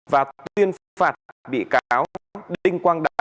và tuyên phạt bị cáo đinh quang đạt